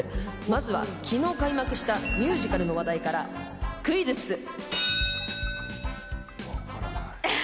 まずは昨日開幕したミュージカルの話題からクイズッス。